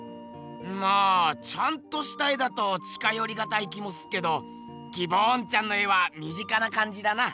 まあちゃんとした絵だと近よりがたい気もすっけどギボーンちゃんの絵は身近な感じだな。